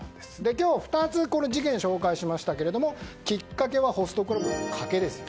今日２つの事件を紹介しましたがきっかけはホストクラブのカケです。